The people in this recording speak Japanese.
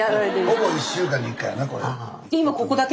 ほぼ１週間に１回やなこれ。